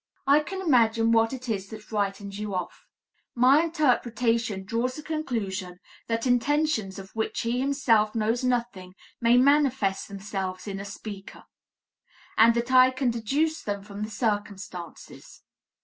I can imagine what it is that frightens you off. My interpretation draws the conclusion that intentions of which he himself knows nothing may manifest themselves in a speaker, and that I can deduce them from the circumstances.